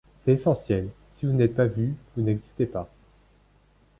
C’est essentiel : si vous n’êtes pas vu, vous n’existez pas.